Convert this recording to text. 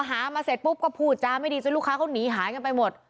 หามาเสร็จปุ๊บก็พูดจาไม่ดีจนลูกค้าเขาหนีหายกันไปหมด